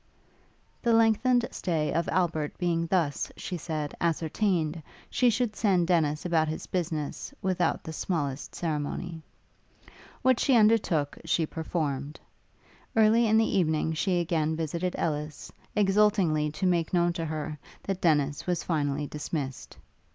The lengthened stay of Albert being thus, she said, ascertained, she should send Dennis about his business, without the smallest ceremony. What she undertook, she performed. Early in the evening she again visited Ellis, exultingly to make known to her, that Dennis was finally dismissed.